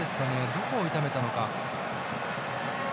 どこを痛めたのか。